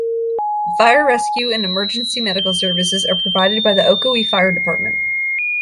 Fire rescue and emergency medical services are provided by the Ocoee Fire Department.